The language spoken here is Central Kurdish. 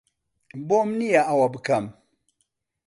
بۆم نییە ئەوە بکەم.